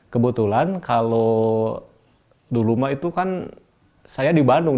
kebetulan kalau dulu mah itu kan saya di bandung